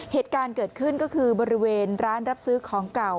เหตุการณ์เกิดขึ้นก็คือบริเวณร้านรับซื้อของเก่า